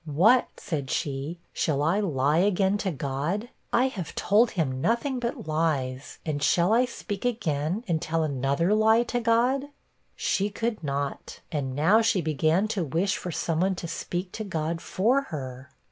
'What!' said she, 'shall I lie again to God? I have told him nothing but lies; and shall I speak again, and tell another lie to God?' She could not; and now she began to wish for some one to speak to God for her.